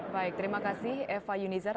baik terima kasih eva yunizar